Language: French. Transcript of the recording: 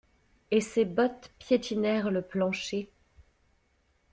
Et ses bottes piétinèrent le plancher.